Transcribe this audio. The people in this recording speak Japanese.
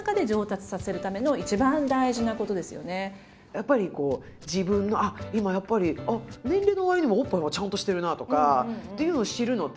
やっぱり自分のあっ今やっぱり年齢のわりにおっぱいはちゃんとしてるなとかっていうのを知るのって